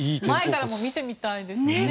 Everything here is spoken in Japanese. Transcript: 前からも見てみたいですね。